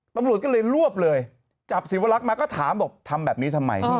ตำรวจก็เลยรวบเลยจับศิวรักษ์มาก็ถามบอกทำแบบนี้ทำไม